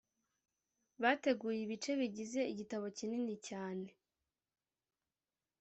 bateguye ibice bigize igitabo kinini cyane